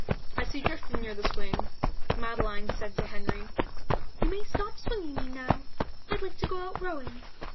As he drifted near the swing, Madeline said to Henry "You may stop swinging me now. I think I'd like to go out rowing."